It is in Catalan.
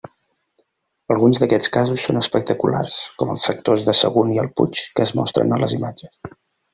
Alguns d'aquests casos són espectaculars, com els sectors de Sagunt i el Puig que es mostren a les imatges.